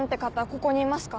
ここにいますか？